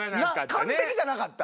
完璧じゃなかった。